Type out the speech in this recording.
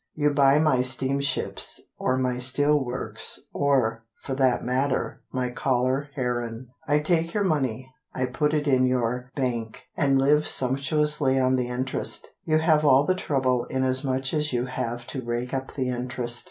You buy my steamships, or my steelworks, Or, for that matter, my caller herrin': I take your money, I put it in your bank, And live sumptuously on the interest. You have all the trouble Inasmuch as you have to rake up the interest.